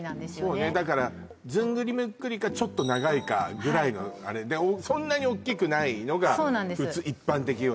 そうねだからずんぐりむっくりかちょっと長いかぐらいのはいそんなに大きくないのがそうなんです一般的よね